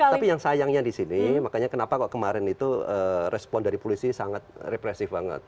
tapi yang sayangnya disini makanya kenapa kemarin itu respon dari polisi sangat represif banget